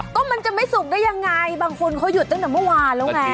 ก็มันจะไม่สุกได้ยังไงบางคนเขาหยุดตั้งแต่เมื่อวานแล้วไง